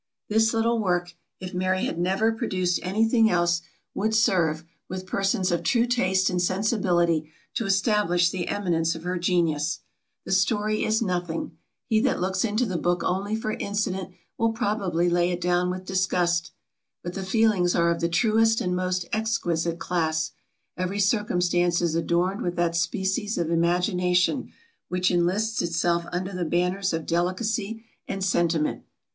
This little work, if Mary had never produced any thing else, would serve, with persons of true taste and sensibility, to establish the eminence of her genius. The story is nothing. He that looks into the book only for incident, will probably lay it down with disgust. But the feelings are of the truest and most exquisite class; every circumstance is adorned with that species of imagination, which enlists itself under the banners of delicacy and sentiment.